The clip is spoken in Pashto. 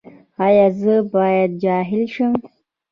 ایا زه باید جاهل شم؟